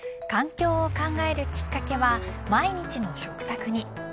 環境を考えるきっかけは毎日の食卓に。